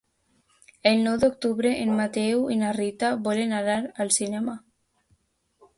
El nou d'octubre en Mateu i na Rita volen anar al cinema.